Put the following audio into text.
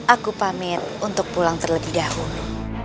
aku pamit untuk pulang terlebih dahulu